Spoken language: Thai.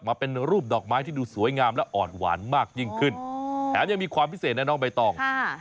มาเป็นรูปดอกไม้ที่ดูสวยงามและอ่อนหวานมากยิ่งขึ้นแถมยังมีความพิเศษนะน้องใบตอง